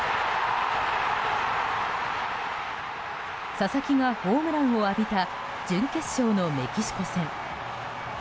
佐々木がホームランを浴びた準決勝のメキシコ戦。